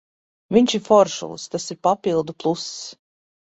Viņš ir foršulis, tas ir papildu pluss.